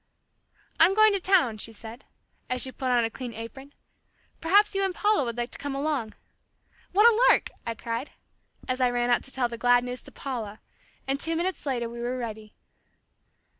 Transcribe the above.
"I'm going to town," she said, as she put on a clean apron. "Perhaps you and Paula would like to come along." "What a lark!" I cried, as I ran out to tell the glad news to Paula, and two minutes later we were ready.